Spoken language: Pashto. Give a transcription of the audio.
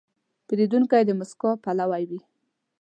پیرودونکی د موسکا پلوی وي.